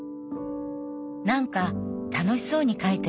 なんか楽しそうに書いてる！